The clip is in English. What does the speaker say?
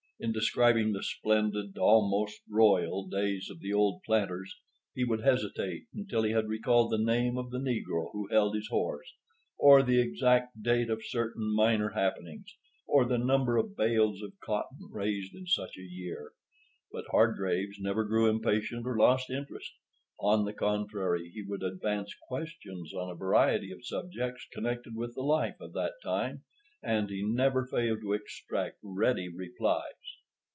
In describing the splendid, almost royal, days of the old planters, he would hesitate until he had recalled the name of the negro who held his horse, or the exact date of certain minor happenings, or the number of bales of cotton raised in such a year; but Hargraves never grew impatient or lost interest. On the contrary, he would advance questions on a variety of subjects connected with the life of that time, and he never failed to extract ready replies.